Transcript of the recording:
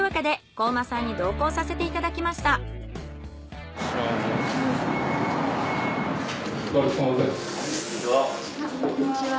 こんにちは。